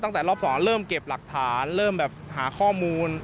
ตั้งแต่รอบ๒เริ่มเก็บหลักฐานเริ่มแบบหาข้อมูล